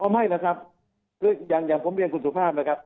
ไม่นะครับคืออย่างผมเรียนคุณสุภาพนะครับ